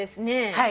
はい。